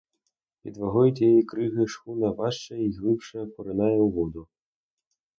Під вагою тієї криги шхуна важчає й глибше поринає у воду.